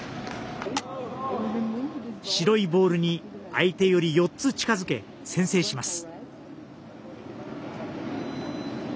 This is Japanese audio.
白いボールに相手より４つ近づけ先制します。